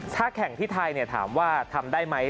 ถ้าแข่งที่ไทยถามว่าทำได้ไหม